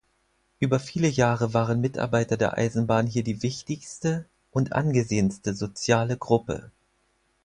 Über viele Jahre waren Mitarbeiter der Eisenbahn hier die wichtigste und angesehenste soziale Gruppe.